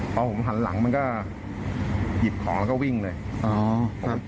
พอผมหันหลังมันก็หยิบของแล้วก็วิ่งเลยอ๋อครับ